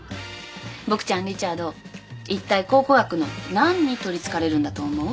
ボクちゃんリチャードいったい考古学の何にとり憑かれるんだと思う？